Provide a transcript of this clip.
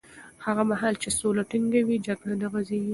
هغه مهال چې سوله ټینګه وي، جګړه نه غځېږي.